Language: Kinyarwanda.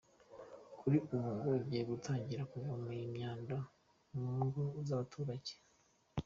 Kuri ubu ngo agiye gutangira kuvoma iyi myanda mu ngo z’ abaturage.